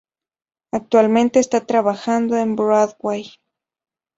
Actualmente está trabajando en Broadway.